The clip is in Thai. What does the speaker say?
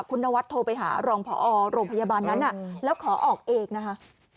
คุณนวัดโทรไปหารองพอโรงพยาบาลนั้นแล้วขอออกเองนะคะ